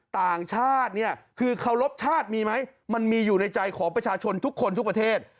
ต่างชาติเนี่ยคือเคารพชาติมีไหมมันมีอยู่ในใจของประชาชนทุกคนทุกประเทศ